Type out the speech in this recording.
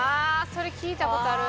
それ聞いた事ある。